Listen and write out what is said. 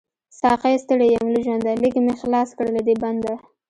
ساقۍ ستړی يم له ژونده، ليږ می خلاص کړه له دی بنده